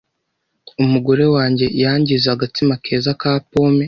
Umugore wanjye yangize agatsima keza ka pome.